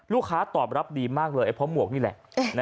ลูกค้าตอบรับดีมากเลยไอ้พ้อหมวกนี่แหละ